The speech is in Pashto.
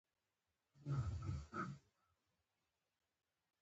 پابندی غرونه د افغانستان د کلتوري میراث برخه ده.